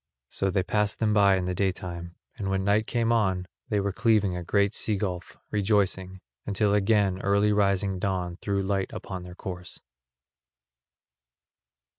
So they passed them by in the day time, and when night came on they were cleaving a great sea gulf, rejoicing, until again early rising dawn threw light upon their course.